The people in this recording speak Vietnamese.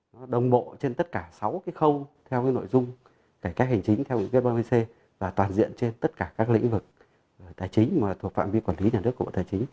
nó đồng bộ trên tất cả sáu khâu theo nội dung cải cách hành chính theo nghị quyết ba mươi c và toàn diện trên tất cả các lĩnh vực tài chính thuộc phạm vi quản lý nhà nước